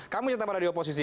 kamu tetap ada di oposisi